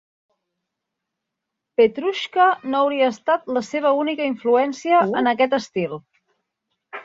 "Petrushka" no hauria estat la seva única influència en aquest estil.